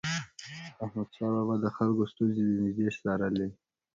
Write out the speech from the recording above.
احمدشاه بابا به د خلکو ستونزې د نژدي څارلي.